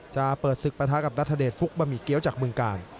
จะเปิดศึกประทะกับนัทเดชฟุกบะหมี่เกี้ยวจากเมืองกาล